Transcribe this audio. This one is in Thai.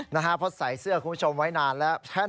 นะฮะเพราะใส่เสื้อคุณผู้ชมไว้นานแล้ว